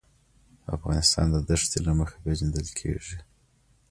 افغانستان د دښتې له مخې پېژندل کېږي.